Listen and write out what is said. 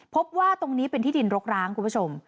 พบว่าตรงนี้เป็นที่ดินรกร้างคุณผู้ชม